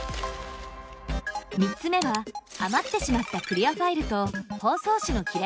３つ目は余ってしまったクリアファイルと包装紙の切れ端を再利用。